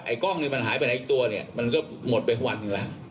กล้องนี่มันหายไปไหนอีกตัวเนี่ยมันก็หมดไปวันหนึ่งแล้ว